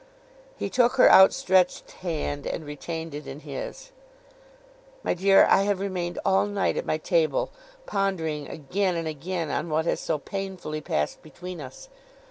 He took her outstretched hand, and retained it in his. 'My dear, I have remained all night at my table, pondering again and again on what has so painfully passed between us.